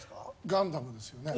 ガンダムですよね。